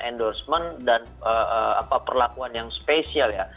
endorsement dan perlakuan yang spesial ya